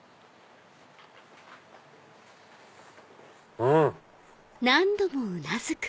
うん！